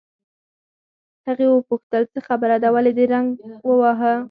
هغې وپوښتل: څه خبره ده، ولې دې زنګ وواهه؟